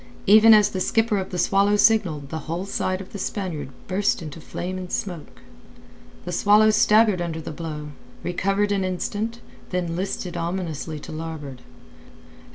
Even as the skipper of the Swallow signalled the whole side of the Spaniard burst into flame and smoke. The Swallow staggered under the blow, recovered an instant, then listed ominously to larboard.